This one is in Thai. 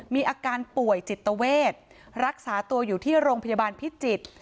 มีอาการป่วยจิตเวทรักษาตัวอยู่ที่โรงพยาบาลพิจิตร